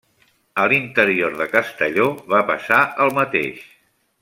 A l'interior de Castelló va passar el mateix.